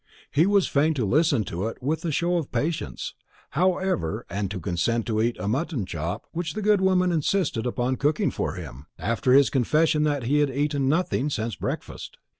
He was fain to listen to it with a show of patience, however, and to consent to eat a mutton chop which the good woman insisted upon cooking for him, after his confession that he had eaten nothing since breakfast.